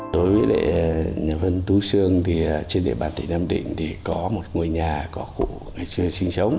đối với nhà văn tú sương thì trên địa bàn tỉnh nam định thì có một ngôi nhà có cụ ngày xưa sinh sống